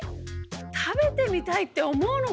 食べてみたいって思うの？